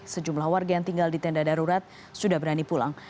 sejumlah warga yang tinggal di tenda darurat sudah berani pulang